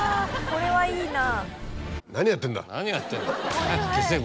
これはいいな。